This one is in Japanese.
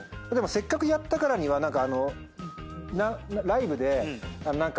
でもせっかくやったからには。